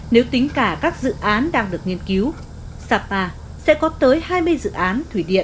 nếu tính cả các dự án đang được nghiên cứu sapa sẽ có tới hai mươi dự án thủy điện